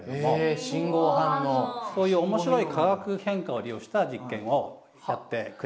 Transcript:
そういう面白い化学変化を利用した実験をやってくれたんですね。